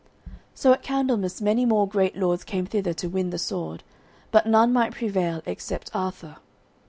So at Candlemas many more great lords came thither to win the sword, but none might prevail except Arthur.